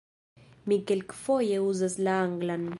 Mi kelkfoje uzas la anglan.